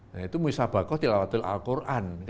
nah itu musabakoh tilawatil al qur'an